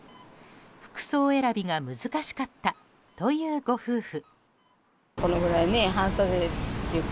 服装選びが難しかったというご夫婦。